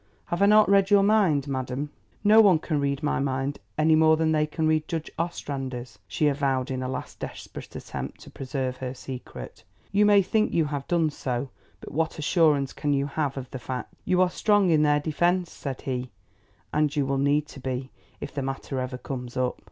Have I not read your mind, madam?" "No one can read my mind any more than they can read Judge Ostrander's," she avowed in a last desperate attempt to preserve her secret. "You may think you have done so, but what assurance can you have of the fact?" "You are strong in their defence," said he, "and you will need to be if the matter ever comes up.